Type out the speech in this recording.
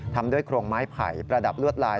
ทำด้วยโครงไม้ไผ่ประดับลวดลาย